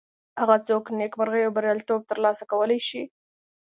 هغه څوک نیکمرغي او بریالیتوب تر لاسه کولی شي.